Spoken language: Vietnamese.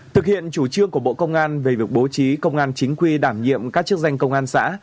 thực hiện chủ trương của bộ công an về việc bố trí công an chính quy đảm nhiệm các chức danh công an xã